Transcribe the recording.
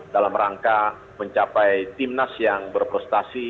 dalam rangka mencapai timnas yang berprestasi